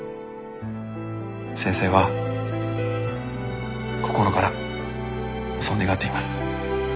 先生は心からそう願っています。